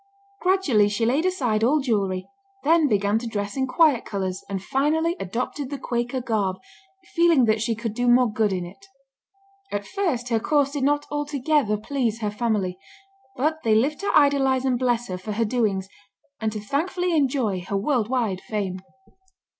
Gradually she laid aside all jewelry, then began to dress in quiet colors, and finally adopted the Quaker garb, feeling that she could do more good in it. At first her course did not altogether please her family, but they lived to idolize and bless her for her doings, and to thankfully enjoy her worldwide fame.